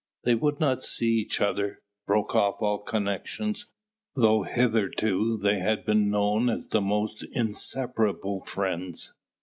They would not see each other, broke off all connection, though hitherto they had been known as the most inseparable friends.